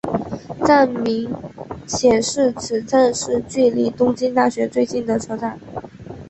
站名显示此站是距离东京大学最近的车站。